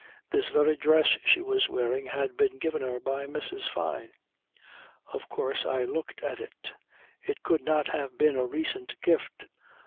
This very dress she was wearing had been given her by Mrs. Fyne. Of course I looked at it. It could not have been a recent gift.